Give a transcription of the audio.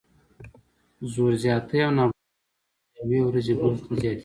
زور زیاتی او نابرابري پکې له یوې ورځې بلې ته زیاتیږي.